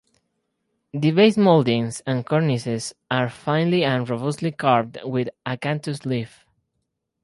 The base moldings and cornices are finely and robustly carved with acanthus leaf.